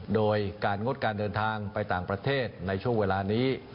โดยการงดการเดินทางไปต่างประเทศในช่วงเวลานี้